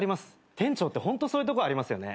店長ってホントそういうとこありますよね。